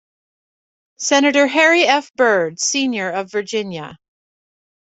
Senator Harry F. Byrd, Senior of Virginia.